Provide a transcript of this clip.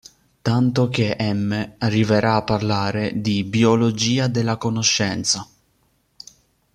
Tanto che M. arriverà a parlare di “Biologia della conoscenza”.